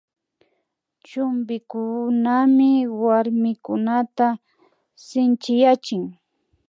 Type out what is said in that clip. Chumpikunami warmikunata shinchiyachin